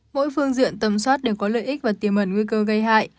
mỗi phương diện tầm soát đều có lợi ích và tiềm ẩn nguy cơ gây hại